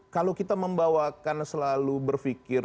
kalau kita membawakan selalu berpikir